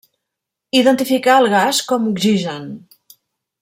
Identificà el gas com oxigen.